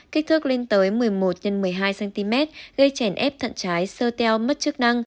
kích thước lên tới một mươi một x một mươi hai cm gây chèn ép thận trái sơ teo mất chức năng